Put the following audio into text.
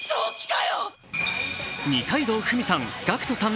二階堂ふみさん、ＧＡＣＫＴさん